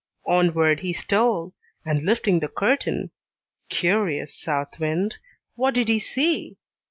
Onward he stole, and lifting the curtain, curious south wind! what did he see?